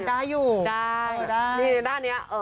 ได้อยู่นี่ด้านนี้เออได้อยู่